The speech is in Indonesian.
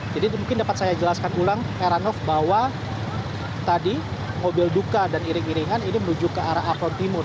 jadi mungkin dapat saya jelaskan ulang heranov bahwa tadi mobil duka dan iring iringan ini menuju ke arah afron timur